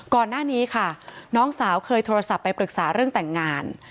ก่อนหน้านี้ค่ะน้องสาวเคยโทรศัพท์ไปปรึกษาเรื่องแต่งงาน